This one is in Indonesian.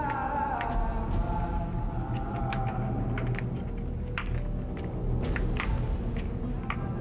tapi aku masih ingin berbunuh